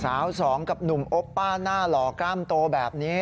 สองกับหนุ่มโอป้าหน้าหล่อกล้ามโตแบบนี้